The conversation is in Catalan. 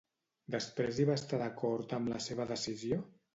Després hi va estar d'acord amb la seva decisió?